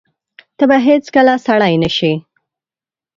ته به هیڅکله سړی نه شې !